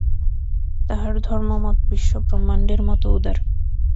তাঁহার ধর্মমত বিশ্বব্রহ্মাণ্ডের মত উদার।